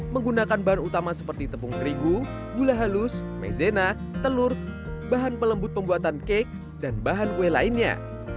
menggunakan bahan utama seperti tepung terigu gula halus maizena telur bahan pelembut pembuatan cake dan bahan kue lainnya